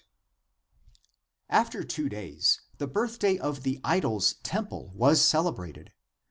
After two days the birthday of the idol's temple was celebrated.